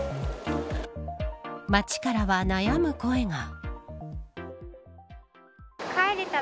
町からは悩む声が。